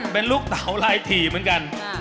เป็นลูกเต๋าลายถี่เหมือนกัน